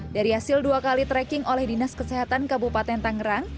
dari hasil dua kali tracking oleh dinas kesehatan kabupaten tangerang